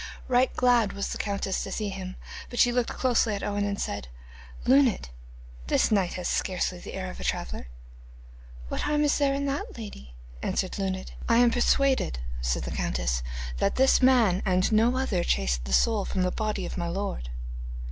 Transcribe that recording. Right glad was the countess to see them, but she looked closely at Owen and said: 'Luned, this knight has scarcely the air of a traveller.' 'What harm is there in that, lady?' answered Luned. 'I am persuaded,' said the countess, 'that this man and no other chased the soul from the body of my lord.